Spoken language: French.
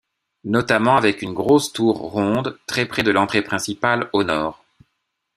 Notamment avec une grosse tour ronde très près de l'entrée principale au Nord.